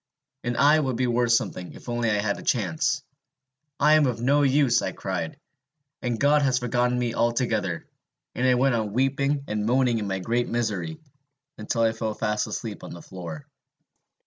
And I would be worth something, if only I had a chance! 'I am of no use,' I cried, 'and God has forgotten me altogether!' And I went on weeping and moaning in my great misery, until I fell fast asleep on the floor.